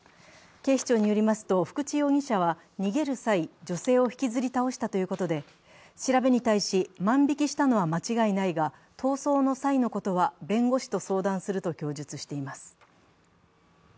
警視庁によりますと、福地容疑者は逃げる際、女性を引きずり倒したということで、調べに対し、万引きしたのは間違いないが逃走の際のことは弁護士と相談すると供述しています。